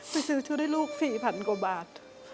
ไปซื้อชุดให้ลูก๔๐๐๐บาท